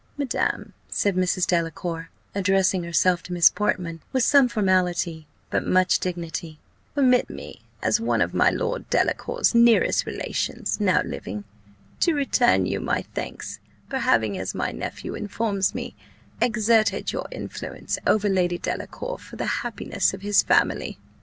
"Madam," said Mrs. Delacour, addressing herself to Miss Portman with some formality, but much dignity, "permit me, as one of my Lord Delacour's nearest relations now living, to return you my thanks for having, as my nephew informs me, exerted your influence over Lady Delacour for the happiness of his family.